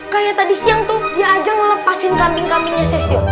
kayak tadi siang tuh dia ajang melepasin kambing kambingnya sesir